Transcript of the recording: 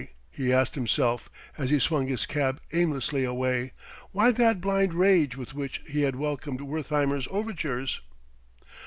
he asked himself as he swung his cab aimlessly away why that blind rage with which he had welcomed Wertheimer's overtures?